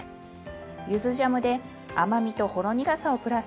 ゆずジャムで甘みとほろ苦さをプラス。